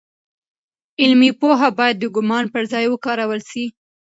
علمي پوهه باید د ګومان پر ځای وکارول سي.